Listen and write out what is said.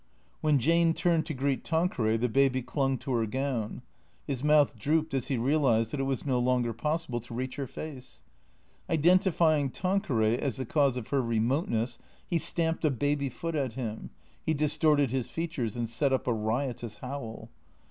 When Jane turned to greet Tanqueray, the baby clung to her gown. His mouth drooped as he realized that it was no longer possible to reach her face. Identifying Tanqueray as the cause of her remoteness, he stamped a baby foot at him ; he distorted his features and set up a riotous howl.